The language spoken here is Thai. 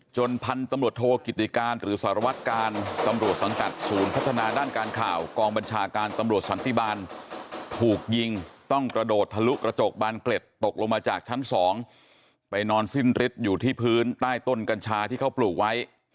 พันธุ์ตำรวจโทกิติการหรือสารวัตการตำรวจสังกัดศูนย์พัฒนาด้านการข่าวกองบัญชาการตำรวจสันติบาลถูกยิงต้องกระโดดทะลุกระจกบานเกล็ดตกลงมาจากชั้น๒ไปนอนสิ้นฤทธิ์อยู่ที่พื้นใต้ต้นกัญชาที่เขาปลูกไว้